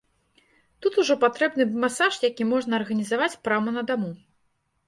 Тут ужо патрэбны б масаж, які можна арганізаваць прама на даму.